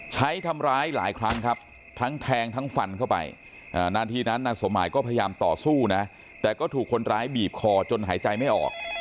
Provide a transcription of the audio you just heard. ใช้ทำร้ายหลายครั้งครับทั้งแทงทั้งฟันเข้าไปนาทีนั้นนางสมหมายก็พยายามต่อสู้นะแต่ก็ถูกคนร้ายบีบคอจนหายใจไม่ออก